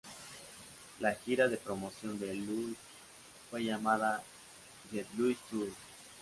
La gira de promoción de "Loose" fue llamada "Get Loose Tour".